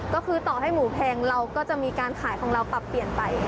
ก็คือต่อให้หมูแพงเราก็จะมีการขายของเราปรับเปลี่ยนไป